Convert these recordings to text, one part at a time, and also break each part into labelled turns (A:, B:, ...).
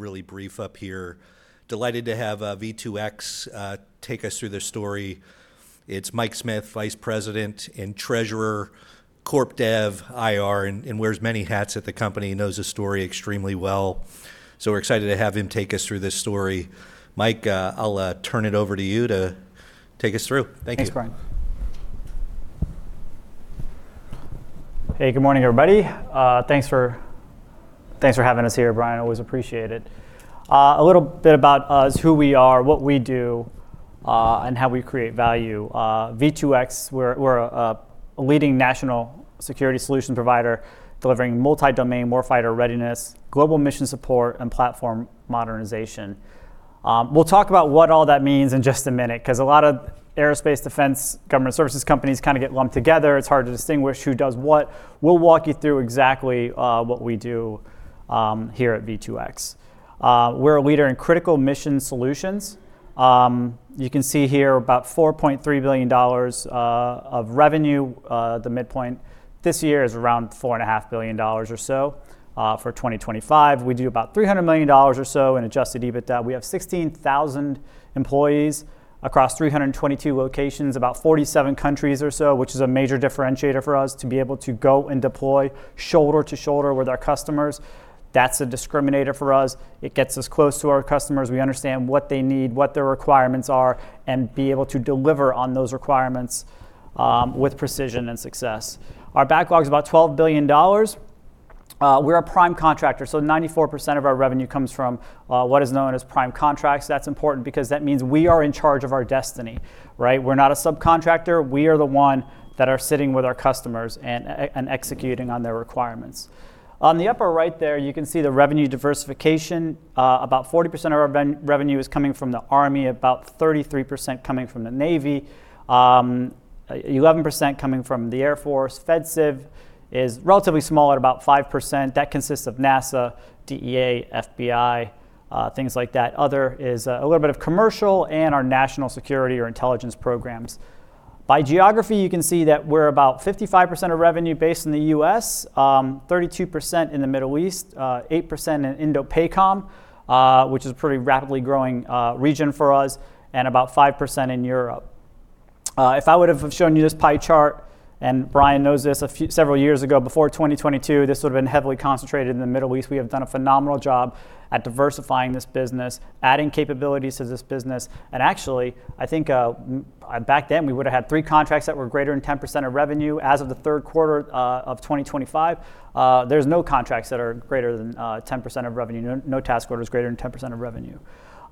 A: Real brief up here. Delighted to have V2X take us through their story. It's Mike Smith, Vice President and Treasurer, Corp Dev, IR, and wears many hats at the company. He knows the story extremely well. So we're excited to have him take us through this story. Mike, I'll turn it over to you to take us through. Thank you.
B: Thanks, Brian. Hey, good morning, everybody. Thanks for having us here, Brian. Always appreciate it. A little bit about who we are, what we do, and how we create value. V2X, we're a leading national security solution provider delivering multi-domain warfighter readiness, global mission support, and platform modernization. We'll talk about what all that means in just a minute, because a lot of aerospace defense government services companies kind of get lumped together. It's hard to distinguish who does what. We'll walk you through exactly what we do here at V2X. We're a leader in critical mission solutions. You can see here about $4.3 billion of revenue. The midpoint this year is around $4.5 billion or so for 2025. We do about $300 million or so in adjusted EBITDA. We have 16,000 employees across 322 locations, about 47 countries or so, which is a major differentiator for us to be able to go and deploy shoulder to shoulder with our customers. That's a discriminator for us. It gets us close to our customers. We understand what they need, what their requirements are, and be able to deliver on those requirements with precision and success. Our backlog is about $12 billion. We're a Prime Contractor, so 94% of our revenue comes from what is known as Prime Contracts. That's important because that means we are in charge of our destiny. We're not a subcontractor. We are the one that are sitting with our customers and executing on their requirements. On the upper right there, you can see the revenue diversification. About 40% of our revenue is coming from the Army, about 33% coming from the Navy, 11% coming from the Air Force. FedCiv is relatively small at about 5%. That consists of NASA, DEA, FBI, things like that. Other is a little bit of commercial and our national security or intelligence programs. By geography, you can see that we're about 55% of revenue based in the U.S., 32% in the Middle East, 8% in INDOPACOM, which is a pretty rapidly growing region for us, and about 5% in Europe. If I would have shown you this pie chart, and Brian knows this, several years ago, before 2022, this would have been heavily concentrated in the Middle East. We have done a phenomenal job at diversifying this business, adding capabilities to this business. And actually, I think back then we would have had three contracts that were greater than 10% of revenue as of the third quarter of 2025. There's no contracts that are greater than 10% of revenue. No task orders greater than 10% of revenue.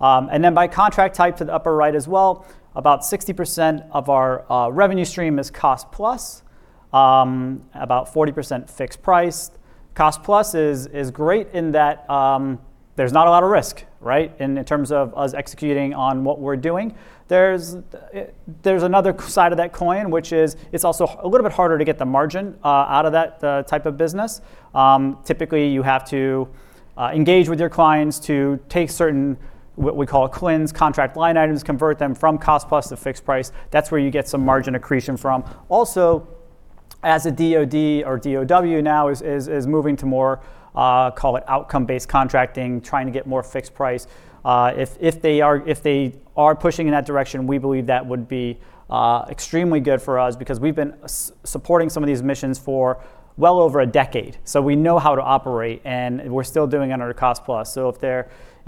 B: And then by contract type to the upper right as well, about 60% of our revenue stream is cost plus, about 40% fixed price. Cost plus is great in that there's not a lot of risk in terms of us executing on what we're doing. There's another side of that coin, which is it's also a little bit harder to get the margin out of that type of business. Typically, you have to engage with your clients to take certain what we call CLIN contract line items, convert them from cost plus to fixed price. That's where you get some margin accretion from. Also, as DoD or DoD now is moving to more, call it, outcome-based contracting, trying to get more fixed price. If they are pushing in that direction, we believe that would be extremely good for us because we've been supporting some of these missions for well over a decade, so we know how to operate, and we're still doing it under cost plus, so if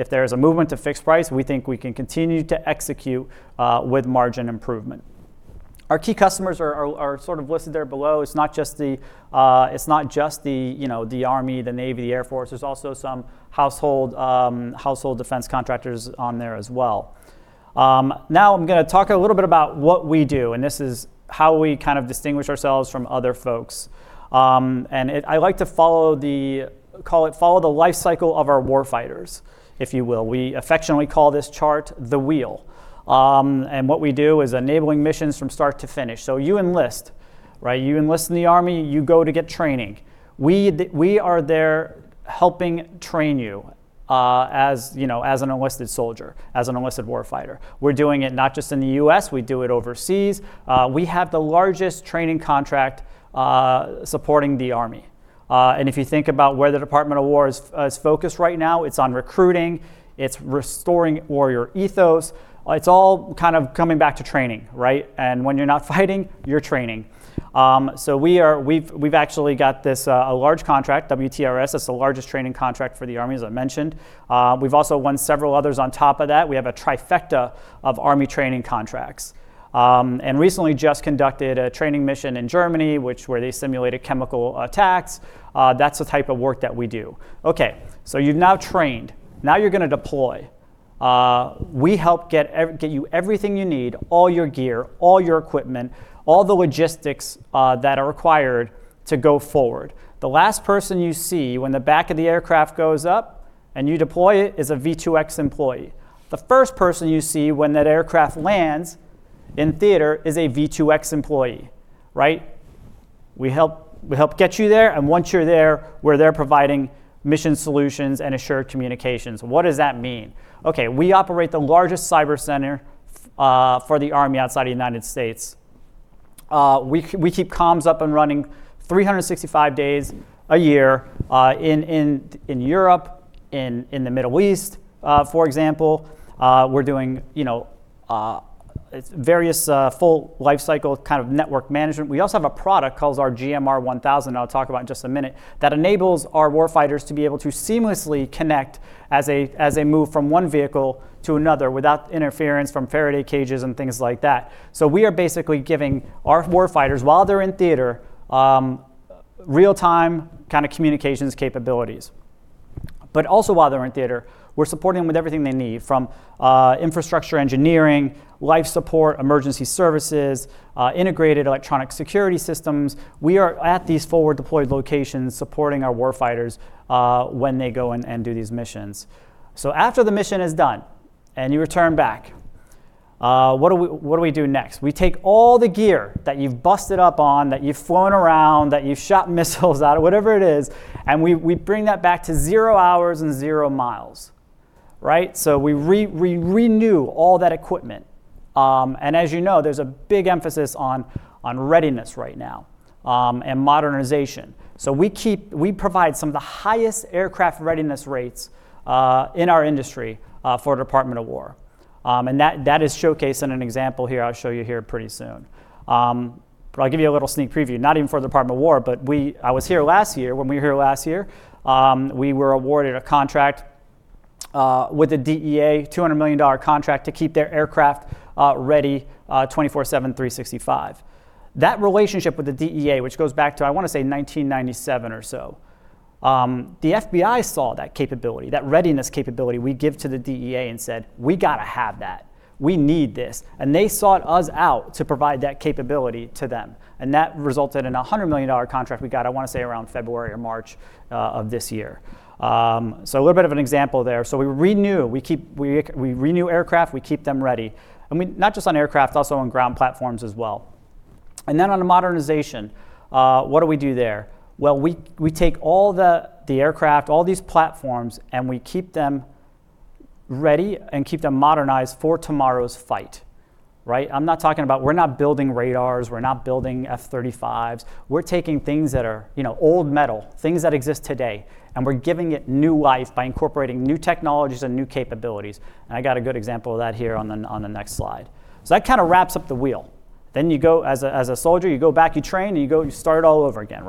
B: there's a movement to fixed price, we think we can continue to execute with margin improvement. Our key customers are sort of listed there below. It's not just the Army, the Navy, the Air Force. There's also some household defense contractors on there as well. Now I'm going to talk a little bit about what we do, and this is how we kind of distinguish ourselves from other folks. And I like to follow the, call it, follow the life cycle of our warfighters, if you will. We affectionately call this chart "The Wheel". And what we do is enabling missions from start to finish. So you enlist. You enlist in the Army. You go to get training. We are there helping train you as an enlisted soldier, as an enlisted warfighter. We're doing it not just in the U.S. We do it overseas. We have the largest training contract supporting the Army. And if you think about where the Department of War is focused right now, it's on recruiting. It's restoring warrior ethos. It's all kind of coming back to training. And when you're not fighting, you're training. So we've actually got a large contract, WTRS. That's the largest training contract for the Army, as I mentioned. We've also won several others on top of that. We have a trifecta of Army training contracts. And recently just conducted a training mission in Germany, where they simulated chemical attacks. That's the type of work that we do. Okay, so you've now trained. Now you're going to deploy. We help get you everything you need, all your gear, all your equipment, all the logistics that are required to go forward. The last person you see when the back of the aircraft goes up and you deploy it is a V2X employee. The first person you see when that aircraft lands in theater is a V2X employee. We help get you there. And once you're there, we're there providing mission solutions and assured communications. What does that mean? Okay, we operate the largest cyber center for the Army outside of the United States. We keep comms up and running 365 days a year in Europe, in the Middle East, for example. We're doing various full life cycle kind of network management. We also have a product called our GMR 1000, and I'll talk about it in just a minute, that enables our warfighters to be able to seamlessly connect as they move from one vehicle to another without interference from Faraday cages and things like that, so we are basically giving our warfighters, while they're in theater, real-time kind of communications capabilities, but also while they're in theater, we're supporting them with everything they need from infrastructure engineering, life support, emergency services, integrated electronic security systems. We are at these forward deployed locations supporting our warfighters when they go and do these missions, so after the mission is done and you return back, what do we do next? We take all the gear that you've busted up on, that you've flown around, that you've shot missiles at, whatever it is, and we bring that back to zero hours and zero miles. So we renew all that equipment. And as you know, there's a big emphasis on readiness right now and modernization. So we provide some of the highest aircraft readiness rates in our industry for the Department of War. And that is showcased in an example here I'll show you here pretty soon. But I'll give you a little sneak preview, not even for the Department of War, but I was here last year. When we were here last year, we were awarded a contract with the DEA, $200 million contract to keep their aircraft ready 24/7, 365. That relationship with the DEA, which goes back to, I want to say, 1997 or so. The FBI saw that capability, that readiness capability we gave to the DEA and said, "We got to have that. We need this." And they sought us out to provide that capability to them. And that resulted in a $100 million contract we got, I want to say, around February or March of this year. So a little bit of an example there. So we renew aircraft. We keep them ready. And not just on aircraft, also on ground platforms as well. And then on the modernization, what do we do there? Well, we take all the aircraft, all these platforms, and we keep them ready and keep them modernized for tomorrow's fight. I'm not talking about. We're not building radars. We're not building F-35s. We're taking things that are old metal, things that exist today, and we're giving it new life by incorporating new technologies and new capabilities. And I got a good example of that here on the next slide. So that kind of wraps up the wheel. Then you go as a soldier, you go back, you train, and you start it all over again.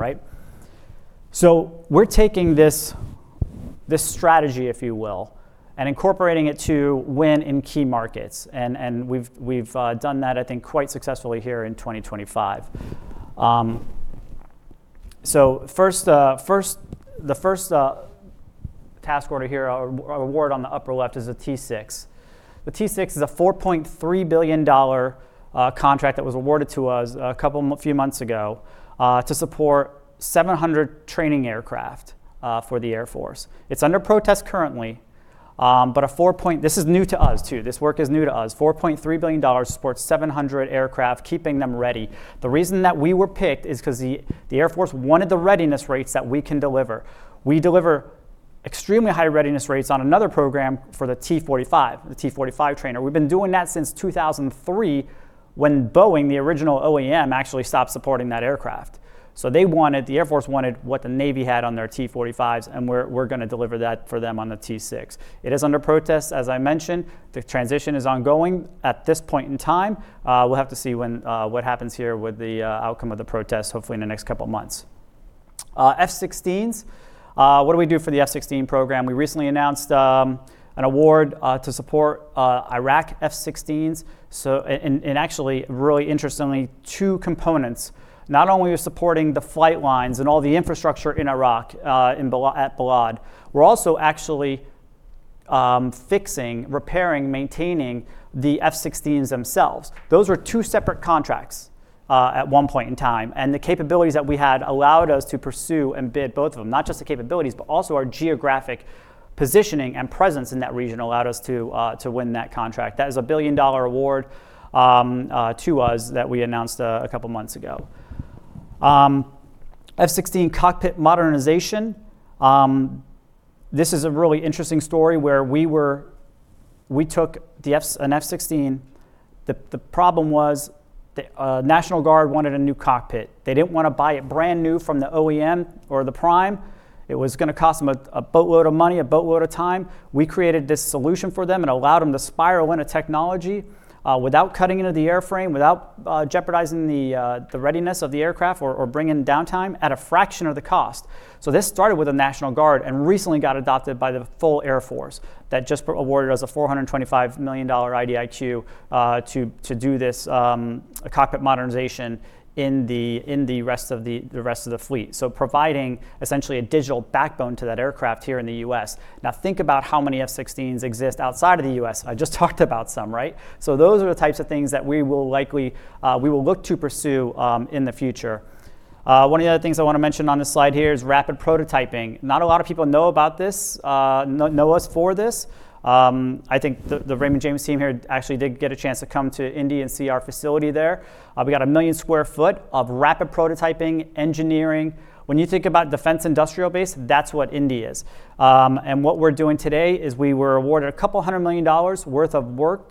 B: So we're taking this strategy, if you will, and incorporating it to win in key markets. And we've done that, I think, quite successfully here in 2025. So the first task order here, our award on the upper left, is a T-6. The T-6 is a $4.3 billion contract that was awarded to us a few months ago to support 700 training aircraft for the Air Force. It's under protest currently, but this is new to us, too. This work is new to us. $4.3 billion supports 700 aircraft, keeping them ready. The reason that we were picked is because the Air Force wanted the readiness rates that we can deliver. We deliver extremely high readiness rates on another program for the T-45, the T-45 trainer. We've been doing that since 2003 when Boeing, the original OEM, actually stopped supporting that aircraft. So the Air Force wanted what the Navy had on their T-45s, and we're going to deliver that for them on the T-6. It is under protest, as I mentioned. The transition is ongoing at this point in time. We'll have to see what happens here with the outcome of the protests, hopefully in the next couple of months. F-16s, what do we do for the F-16 program? We recently announced an award to support Iraq F-16s, and actually, really interestingly, two components. Not only are we supporting the flight lines and all the infrastructure in Iraq at Balad, we're also actually fixing, repairing, maintaining the F-16s themselves. Those were two separate contracts at one point in time. And the capabilities that we had allowed us to pursue and bid both of them, not just the capabilities, but also our geographic positioning and presence in that region allowed us to win that contract. That is a $1 billion award to us that we announced a couple of months ago. F-16 cockpit modernization. This is a really interesting story where we took an F-16. The problem was the National Guard wanted a new cockpit. They didn't want to buy it brand new from the OEM or the Prime. It was going to cost them a boatload of money, a boatload of time. We created this solution for them and allowed them to spiral in a technology without cutting into the airframe, without jeopardizing the readiness of the aircraft or bringing downtime at a fraction of the cost, so this started with the National Guard and recently got adopted by the full Air Force that just awarded us a $425 million IDIQ to do this cockpit modernization in the rest of the fleet, so providing essentially a digital backbone to that aircraft here in the U.S. Now think about how many F-16s exist outside of the U.S. I just talked about some, so those are the types of things that we will likely look to pursue in the future. One of the other things I want to mention on this slide here is rapid prototyping. Not a lot of people know about this, know us for this. I think the Raymond James team here actually did get a chance to come to Indy and see our facility there. We got 1 million sq ft of rapid prototyping, engineering. When you think about defense industrial base, that's what Indy is. And what we're doing today is we were awarded a couple hundred million dollars' worth of work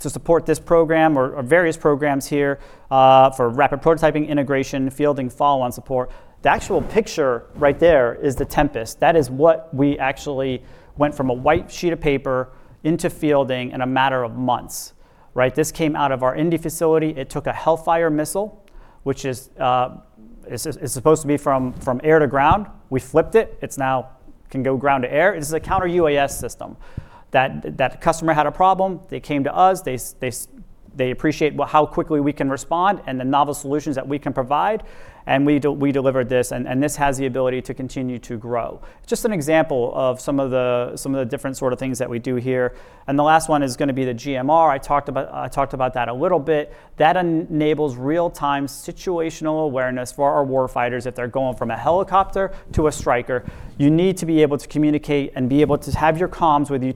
B: to support this program or various programs here for rapid prototyping, integration, fielding, follow-on support. The actual picture right there is the Tempest. That is what we actually went from a white sheet of paper into fielding in a matter of months. This came out of our Indy facility. It took a Hellfire missile, which is supposed to be from air to ground. We flipped it. It now can go ground to air. It's a Counter-UAS system. That customer had a problem. They came to us. They appreciate how quickly we can respond and the novel solutions that we can provide. And we delivered this. And this has the ability to continue to grow. It's just an example of some of the different sort of things that we do here. And the last one is going to be the GMR. I talked about that a little bit. That enables real-time situational awareness for our warfighters if they're going from a helicopter to a Stryker. You need to be able to communicate and be able to have your comms with you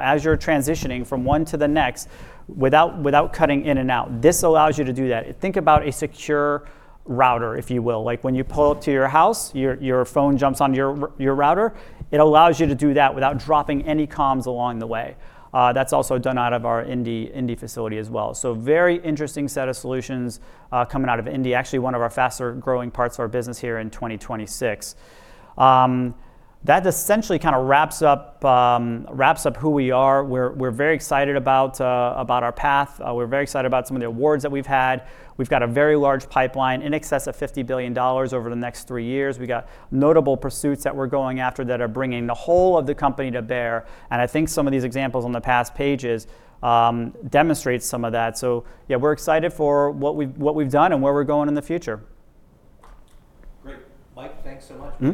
B: as you're transitioning from one to the next without cutting in and out. This allows you to do that. Think about a secure router, if you will. Like when you pull up to your house, your phone jumps on your router. It allows you to do that without dropping any comms along the way. That's also done out of our Indy facility as well, so very interesting set of solutions coming out of Indy, actually one of our faster growing parts of our business here in 2026. That essentially kind of wraps up who we are. We're very excited about our path. We're very excited about some of the awards that we've had. We've got a very large pipeline in excess of $50 billion over the next three years. We got notable pursuits that we're going after that are bringing the whole of the company to bear, and I think some of these examples on the past pages demonstrate some of that, so yeah, we're excited for what we've done and where we're going in the future.
A: Great. Mike, thanks so much. We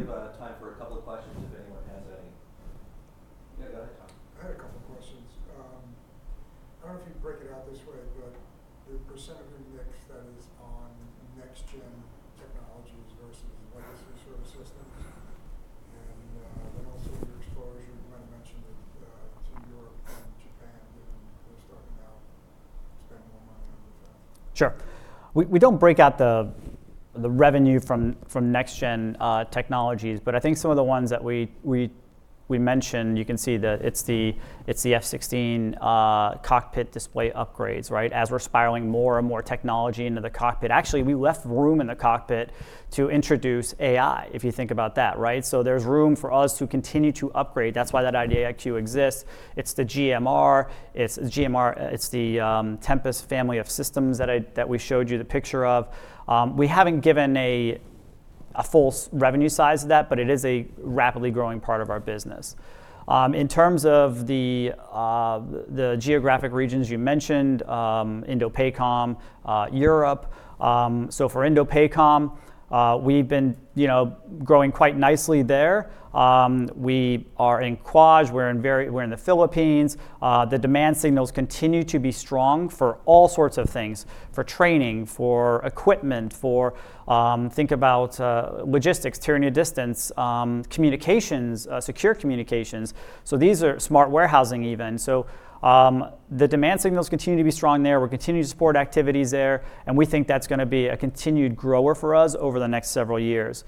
B: mentioned, you can see that it's the F-16 cockpit display upgrades as we're spiraling more and more technology into the cockpit. Actually, we left room in the cockpit to introduce AI, if you think about that. So there's room for us to continue to upgrade. That's why that IDIQ exists. It's the GMR. It's the Tempest family of systems that we showed you the picture of. We haven't given a full revenue size of that, but it is a rapidly growing part of our business. In terms of the geographic regions you mentioned, INDOPACOM, Europe, so for INDOPACOM, we've been growing quite nicely there. We are in Quad. We're in the Philippines. The demand signals continue to be strong for all sorts of things, for training, for equipment, for think about logistics, tyranny of distance, communications, secure communications. So these are smart warehousing even. So the demand signals continue to be strong there. We're continuing to support activities there. And we think that's going to be a continued grower for us over the next several years.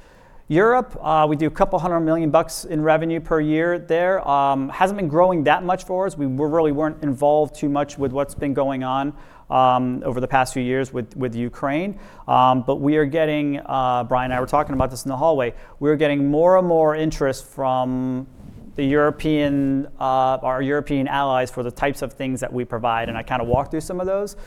B: Europe, we do $200 million in revenue per year there. Hasn't been growing that much for us. We really weren't involved too much with what's been going on over the past few years with Ukraine. But we are getting, Brian and I were talking about this in the hallway, we're getting more and more interest from our European allies for the types of things that we provide. And I kind of walked through some of those.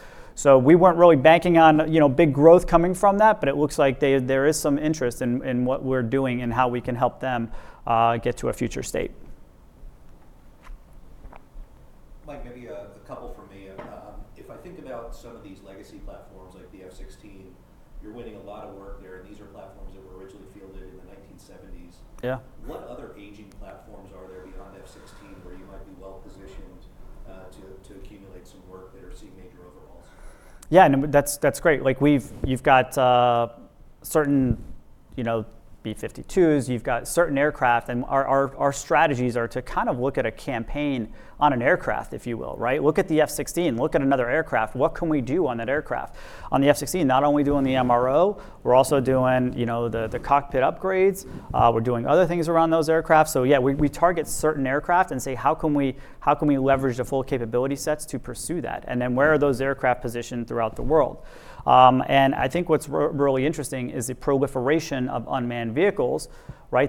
B: So we weren't really banking on big growth coming from that, but it looks like there is some interest in what we're doing and how we can help them get to a future state.
A: Mike, maybe a couple from me. If I think about some of these legacy platforms like the F-16, you're winning a lot of work there, and these are platforms that were originally fielded in the 1970s. What other aging platforms are there beyond F-16 where you might be well positioned to accumulate some work that are seeing major overhauls?
B: Yeah, that's great. You've got certain B-52s. You've got certain aircraft, and our strategies are to kind of look at a campaign on an aircraft, if you will. Look at the F-16. Look at another aircraft. What can we do on that aircraft? On the F-16, not only doing the MRO, we're also doing the cockpit upgrades. We're doing other things around those aircraft, so yeah, we target certain aircraft and say, how can we leverage the full capability sets to pursue that, and then where are those aircraft positioned throughout the world, and I think what's really interesting is the proliferation of unmanned vehicles.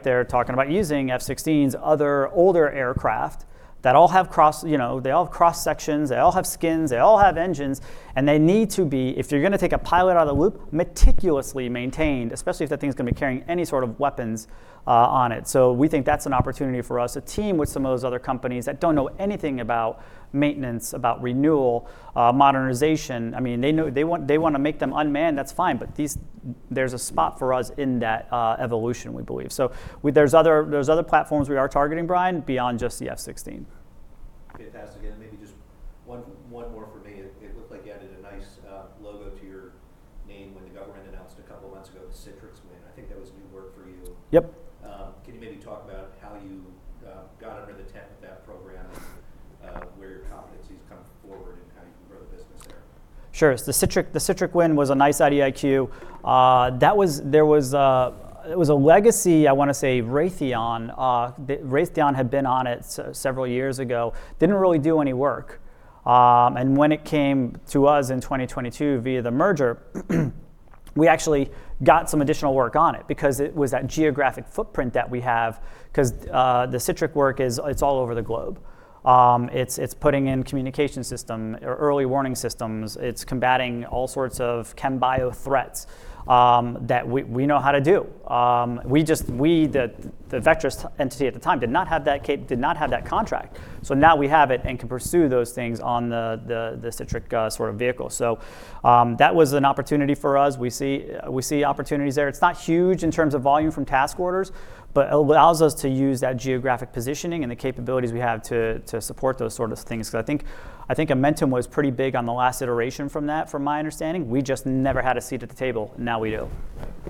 B: They're talking about using F-16s, other older aircraft that all have cross-sections, they all have skins, they all have engines. And they need to be, if you're going to take a pilot out of the loop, meticulously maintained, especially if that thing is going to be carrying any sort of weapons on it. So we think that's an opportunity for us to team with some of those other companies that don't know anything about maintenance, about renewal, modernization. I mean, they want to make them unmanned. That's fine. But there's a spot for us in that evolution, we believe. So there's other platforms we are targeting, Brian, beyond just the F-16.
A: Fantastic. And then maybe just one more for me. It looked like you added a nice logo to your name when the government announced a couple of months ago, the CTR win. I think that was new work for you.
B: Yep.
A: Can you maybe talk about how you got under the tent with that program and where your competencies come forward and how you can grow the business there?
B: Sure. The CTR win was a nice IDIQ. It was a legacy, I want to say, Raytheon. Raytheon had been on it several years ago. Didn't really do any work, and when it came to us in 2022 via the merger, we actually got some additional work on it because it was that geographic footprint that we have because the CTR work, it's all over the globe. It's putting in communication systems, early warning systems. It's combating all sorts of chem-bio threats that we know how to do. The Vectrus entity at the time did not have that contract, so now we have it and can pursue those things on the CTR sort of vehicle, so that was an opportunity for us. We see opportunities there. It's not huge in terms of volume from task orders, but it allows us to use that geographic positioning and the capabilities we have to support those sort of things. Because I think Amentum was pretty big on the last iteration from that, from my understanding. We just never had a seat at the table. Now we do.
A: Maybe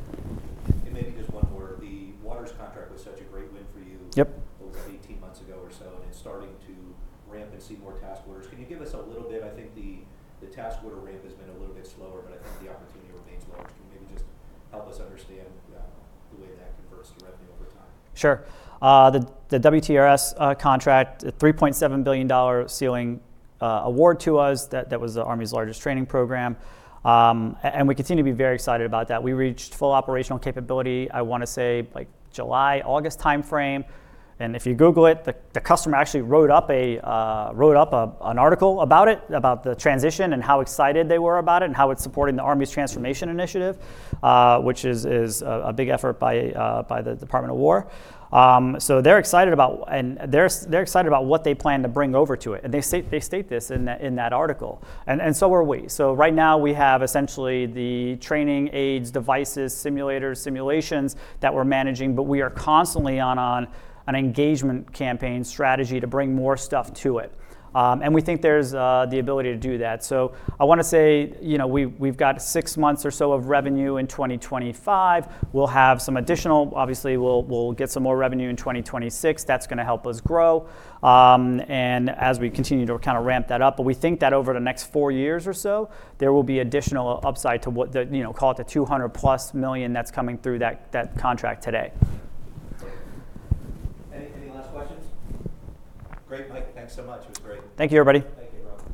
B: frame. And if you Google it, the customer actually wrote up an article about it, about the transition and how excited they were about it and how it's supporting the Army's transformation initiative, which is a big effort by the Department of War. So they're excited about what they plan to bring over to it. And they state this in that article. And so are we. So right now we have essentially the training aids, devices, simulators, simulations that we're managing, but we are constantly on an engagement campaign strategy to bring more stuff to it. And we think there's the ability to do that. I want to say we've got six months or so of revenue in 2025. We'll have some additional, obviously, we'll get some more revenue in 2026. That's going to help us grow. As we continue to kind of ramp that up, but we think that over the next four years or so, there will be additional upside to what they call it the $200+ million that's coming through that contract today.
A: Any last questions? Great, Mike. Thanks so much. It was great.
B: Thank you, everybody.